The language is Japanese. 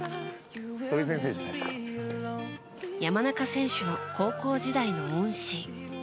山中選手の高校時代の恩師